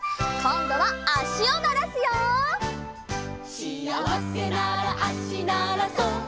「しあわせなら足ならそう」